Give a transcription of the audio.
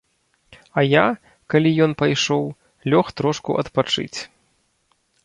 А я, калі ён пайшоў, лёг трошку адпачыць.